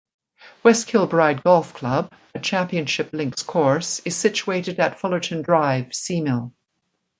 West Kilbride Golf Club, a championship links course, is situated at Fullerton Drive, Seamill.